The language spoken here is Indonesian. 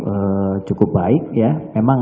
eee cukup baik ya memang